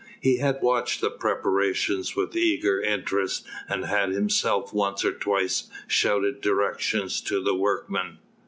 He had watched the preparations with eager interest and had himself once or twice shouted directions to the workmen.